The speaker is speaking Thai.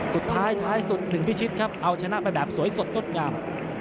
สุดท้ายท้ายสุดหนึ่งพิชิตครับเอาชนะไปแบบสวยสดงดงาม